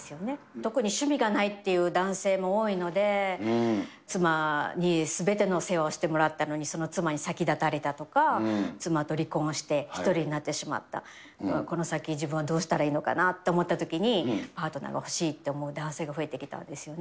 特に趣味がないっていう男性も多いので、妻にすべての世話をしてもらったのに、その妻に先立たれたとか、妻と離婚して１人になってしまった、この先、自分はどうしたらいいのかなと思ったときに、パートナーが欲しいって思う男性が増えてきたんですよね。